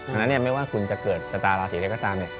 ดังนั้นไม่ว่าคุณจะเกิดชะตาราศีใดก็ตาม